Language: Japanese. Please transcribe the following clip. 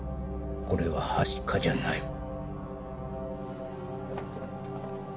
これははしかじゃない。